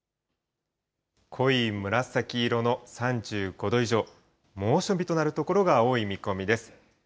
濃い紫色の３５度以上、猛暑日となる所が多い見込みです。